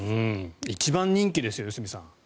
１番人気ですよ良純さん。